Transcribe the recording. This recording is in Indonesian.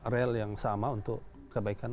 rel yang sama untuk kebaikan